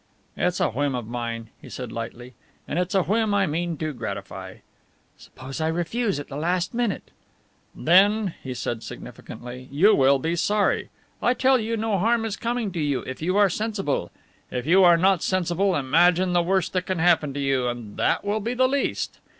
"It's a whim of mine," he said lightly, "and it's a whim I mean to gratify." "Suppose I refuse at the last moment?" "Then," he said significantly, "you will be sorry. I tell you, no harm is coming to you if you are sensible. If you are not sensible, imagine the worst that can happen to you, and that will be the least.